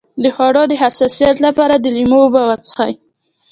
د خوړو د حساسیت لپاره د لیمو اوبه وڅښئ